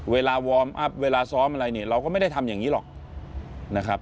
วอร์มอัพเวลาซ้อมอะไรเนี่ยเราก็ไม่ได้ทำอย่างนี้หรอกนะครับ